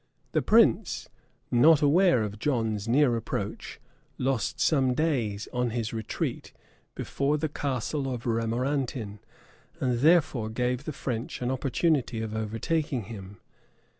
The prince, not aware of John's near approach, lost some days, on his retreat, before the castle of Remorantin;[] and thereby gave the French an opportunity of overtaking him.